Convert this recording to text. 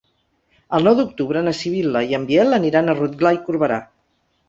El nou d'octubre na Sibil·la i en Biel aniran a Rotglà i Corberà.